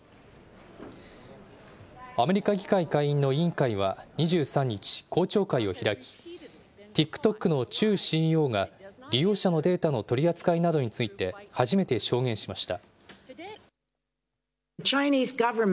アメリカ議会下院の委員会は２３日、公聴会を開き、ＴｉｋＴｏｋのチュウＣＥＯが、利用者のデータの取り扱いなどについて初めて証言しました。